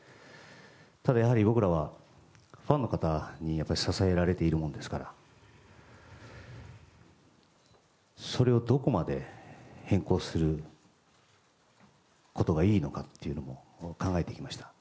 ただ、やはり僕らはファンの方に支えられているものですからそれをどこまで変更することがいいのかというのも考えていきました。